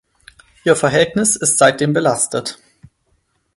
Ihr Verhältnis ist seitdem belastet.